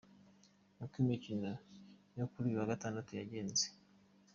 Uko imikino yo kuri uyu wa Gatandatu yagenze.